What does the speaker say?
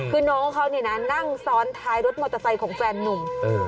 คือน้องเขาเนี่ยนะนั่งซ้อนท้ายรถมอเตอร์ไซค์ของแฟนนุ่ม